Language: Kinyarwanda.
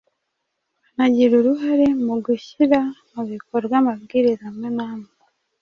banagira uruhare mu gushyira mu bikorwa amabwiriza amwe n'amwe